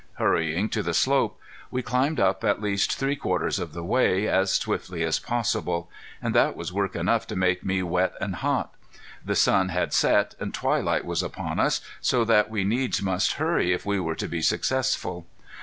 Hurrying to the slope we climbed up at least three quarters of the way, as swiftly as possible. And that was work enough to make me wet and hot. The sun had set and twilight was upon us, so that we needs must hurry if we were to be successful.